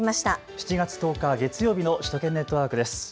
７月１０日月曜日の首都圏ネットワークです。